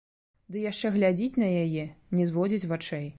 Ды яшчэ глядзіць на яе, не зводзіць вачэй.